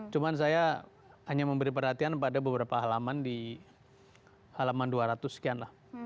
cuma saya hanya memberi perhatian pada beberapa halaman di halaman dua ratus sekian lah